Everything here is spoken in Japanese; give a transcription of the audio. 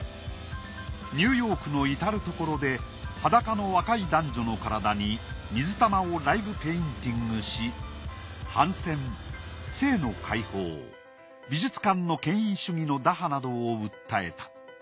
ニューヨークの至る所で裸の若い男女の体に水玉をライブペインティングし反戦性の解放美術館の権威主義の打破などを訴えた。